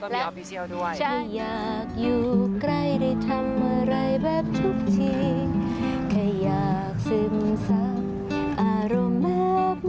แล้วก็มีออฟฟิเชียลด้วย